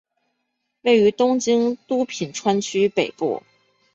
位于东京都品川区北部。